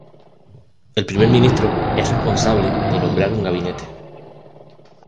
El primer ministro es responsable de nombrar un gabinete.